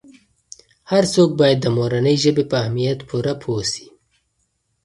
هر څوک باید د مورنۍ ژبې په اهمیت پوره پوه سي.